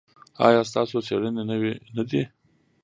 ایا ستاسو څیړنې نوې نه دي؟